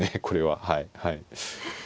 これははいはい。